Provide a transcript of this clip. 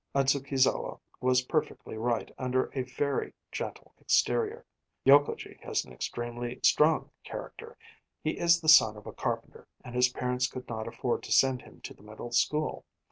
Adzukizawa was perfectly right: under a very gentle exterior, Yokogi has an extremely strong character. He is the son of a carpenter; and his parents could not afford to send him to the Middle School.